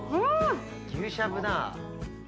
牛しゃぶだ。